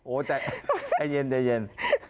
โอ้ใจเย็นใจเย็น